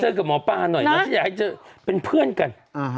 เจอกับหมอป้าหน่อยนะอยากให้เป็นเพื่อนกัน